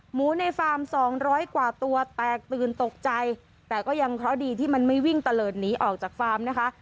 ในฟาร์มสองร้อยกว่าตัวแตกตื่นตกใจแต่ก็ยังเคราะห์ดีที่มันไม่วิ่งตะเลิศหนีออกจากฟาร์มนะคะ